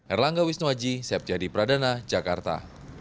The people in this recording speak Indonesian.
erlangga wisnuaji septiadi pradana jakarta